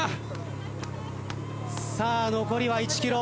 さあ残りは１ｋｍ。